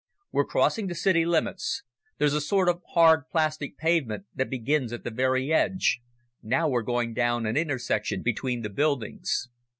"We're crossing the city limits there's a sort of hard, plastic pavement that begins at the very edge. Now we're going down an intersection between the buildings."